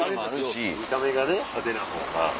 見た目が派手なほうが。